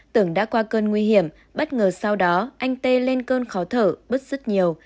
tưởng đã qua cơn nguy hiểm bất ngờ sau đó anh t lên cơn khó thở bứt sức nhiều